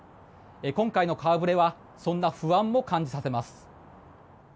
今回の顔触れはそんな不安も感じさせます。